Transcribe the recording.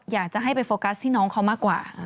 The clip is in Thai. อยากจะให้ไปโฟกัสที่น้องเขามากกว่า